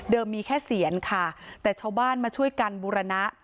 มีแค่เสียนค่ะแต่ชาวบ้านมาช่วยกันบูรณะ